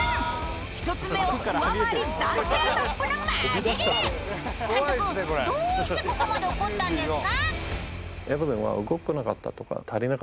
１つ目を上回り暫定トップのマジギレ監督どうしてここまで怒ったんですか？